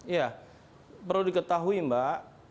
ya perlu diketahui mbak